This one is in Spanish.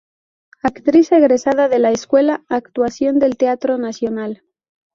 Actriz egresada de la Escuela de Actuación del Teatro Nacional.